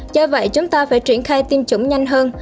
do vậy chúng ta phải triển khai tiêm chủng nhanh hơn